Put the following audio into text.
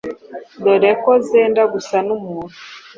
dore ko zenda gusa n’umuntu.